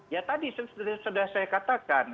ya tadi sudah saya katakan